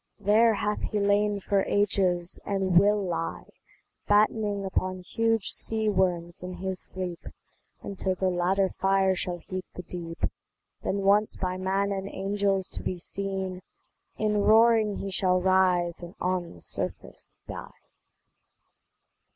There hath he lain for ages, and will lie Battening upon huge sea worms in his sleep, Until the latter fire shall heat the deep; Then once by man and angels to be seen, In roaring he shall rise and on the surface die.